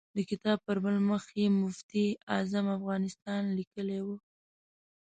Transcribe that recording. د کتاب پر بل مخ یې مفتي اعظم افغانستان لیکلی و.